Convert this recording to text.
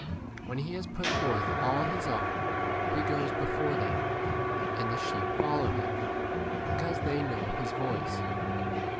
iWhen he has put forth all his own, he goes before them, and the sheep follow him, because 5 they know his voice.